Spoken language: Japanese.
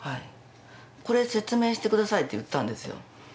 これ説明してくださいと言ったんですよ。